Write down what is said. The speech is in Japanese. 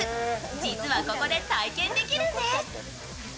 実はここで体験できるんです。